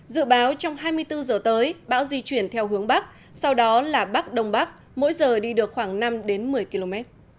dự báo trong hai mươi bốn giờ tới bão di chuyển theo hướng bắc sau đó là bắc đông bắc mỗi giờ đi được khoảng năm một mươi km